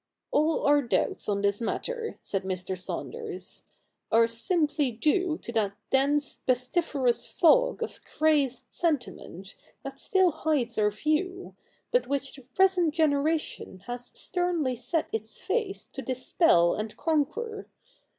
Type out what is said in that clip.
' All our doubts on this matter,' said Mr. Saunders, ' are simply due to that dense pestiferous fog of crazed sentiment that still hides our view, but which the present generation has sternly set its face to dispel and conquer.